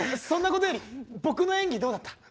そんなことより僕の演技どうだった？